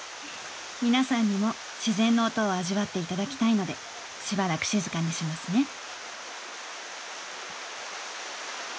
皆さんにも自然の音を味わっていただきたいのでしばらく静かにしますね。